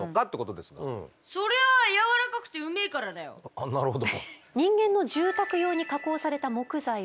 あなるほど。